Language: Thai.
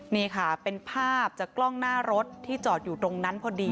นี่ค่ะเป็นภาพจากกล้องหน้ารถที่จอดอยู่ตรงนั้นพอดี